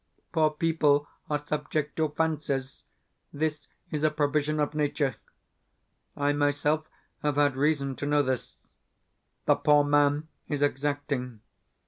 Poor people are subject to fancies this is a provision of nature. I myself have had reason to know this. The poor man is exacting.